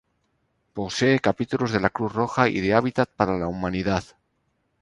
Posee capítulos de la Cruz Roja y de Hábitat para la Humanidad.